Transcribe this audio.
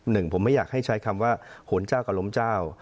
หนึ่งผมไม่อยากให้ใช้คำว่าโหนเจ้ากับล้มเจ้า